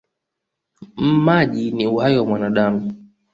Maji ni uhai wa mwanadamu.